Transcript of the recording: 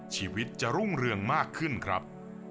ชีวิตจะรุ่งเรืองมากขึ้นครับ